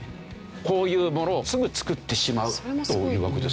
こういうものをすぐ作ってしまうというわけですよね。